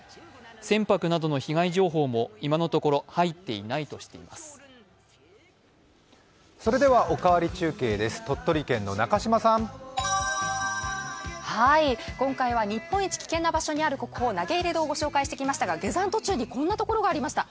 船舶などの被害情報も今のところ入っていないと今回は日本一危険な場所にある国宝・投入堂をご紹介しましたが下山途中にこんなところがありました。